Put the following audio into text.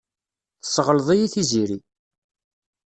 Tesseɣleḍ-iyi Tiziri.